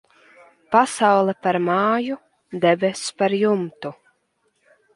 Pasaule par māju, debess par jumtu.